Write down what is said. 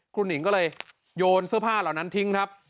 หนิงก็เลยโยนเสื้อผ้าเหล่านั้นทิ้งครับ